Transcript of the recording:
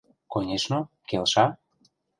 — Конечно, келша.